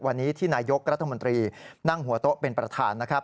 วันนี้ที่นายกรัฐมนตรีนั่งหัวโต๊ะเป็นประธานนะครับ